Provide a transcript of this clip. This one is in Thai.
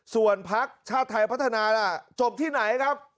ส่วนพักชาติไทยพัฒนาล่ะจบที่ไหนครับ